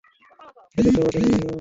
এদের সবার জন্মদিন মনে আছে।